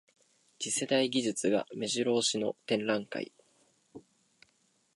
次世代技術がめじろ押しの展覧会